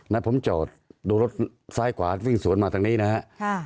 นะฮะผมจอดดูรถซ้ายขวาวิ่งสวนมาตรงนี้นะฮะไม่มี